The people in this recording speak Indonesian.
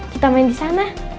kita main di sana